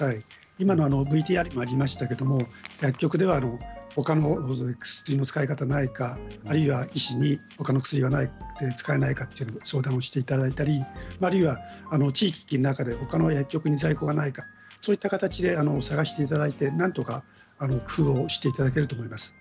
今のＶＴＲにありましたけれども薬局では他の薬の使い方はないか医師に他の薬は使えないかという相談をしていただいたりあるいは、他の薬局に在庫はないか探していただいてなんとか工夫をしていただけると思います。